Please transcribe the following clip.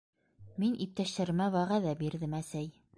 - Мин иптәштәремә вәғәҙә бирҙем, әсәй.